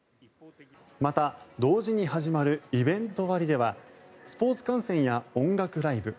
また、同時に始まるイベント割ではスポーツ観戦や音楽ライブ